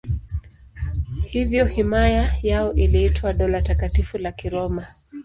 Hivyo himaya yao iliitwa Dola Takatifu la Kiroma.